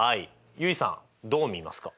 結衣さんどう見ますか？